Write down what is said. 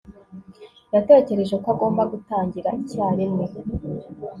Yatekereje ko agomba gutangira icyarimwe